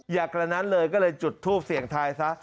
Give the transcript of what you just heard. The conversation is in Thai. อยากกันนั้นเลยก็เลยจุดทูปเสียงไทยซะ